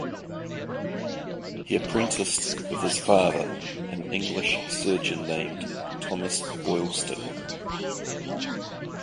He apprenticed with his father, an English surgeon named Thomas Boylston.